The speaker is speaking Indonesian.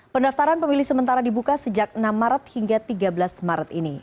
pendaftaran pemilih sementara dibuka sejak enam maret hingga tiga belas maret ini